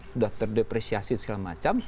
sudah terdepresiasi segala macam